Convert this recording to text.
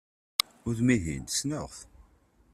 Udem-ihin, ssneɣ-t!